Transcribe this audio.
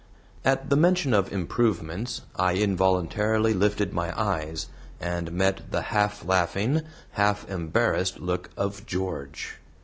At the mention of improvements, I involuntarily lifted my eyes, and met the half laughing, half embarrassed look of George.